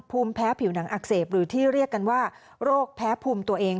ภูมิแพ้ผิวหนังอักเสบหรือที่เรียกกันว่าโรคแพ้ภูมิตัวเอง